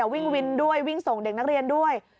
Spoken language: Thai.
วิ่งวินด้วยวิ่งส่งเด็กนักเรียนด้วย